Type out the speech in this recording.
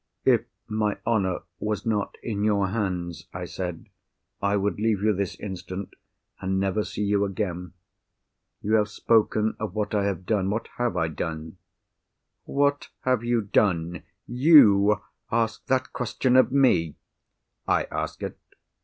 "If my honour was not in your hands," I said, "I would leave you this instant, and never see you again. You have spoken of what I have done. What have I done?" "What have you done! You ask that question of me?" "I ask it."